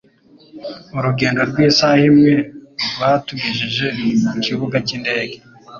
Urugendo rw'isaha imwe rwatugejeje ku kibuga cy'indege.